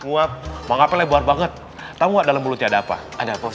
muap mengapelnya buar banget tahu gak dalam mulutnya ada apa ada apa ustad ada becaknya